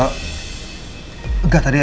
ehh panti asuhan mutiara bunda